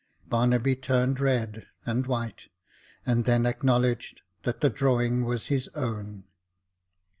Barnaby turned red and white, and then acknowledged that the drawing was his own.